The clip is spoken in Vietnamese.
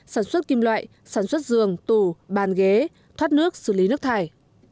sản xuất kim loại sản xuất giường tủ bàn ghế thoát nước xử lý nước thải